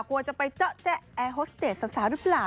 กลัวจะไปเจาะแจ๊แอร์โฮสเตจสาวหรือเปล่า